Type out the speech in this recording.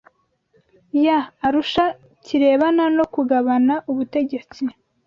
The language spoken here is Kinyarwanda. ya Arusha kirebana no kugabana ubutegetsi